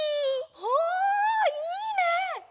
おおいいね！